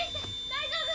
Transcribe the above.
大丈夫！？